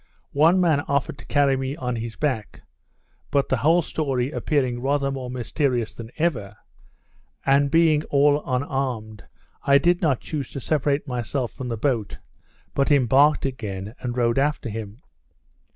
One man offered to carry me on his back; but the whole story appearing rather more mysterious than ever, and being all unarmed, I did not choose to separate myself from the boat, but embarked again, and rowed after him.